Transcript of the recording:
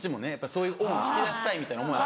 そういう引き出したいみたいな思いが。